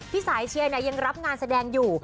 สายเชียร์ยังรับงานแสดงอยู่